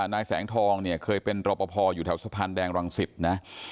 นายแสงทองเนี่ยเคยเป็นรอปภอยู่แถวสะพานแดงรังสิตนะ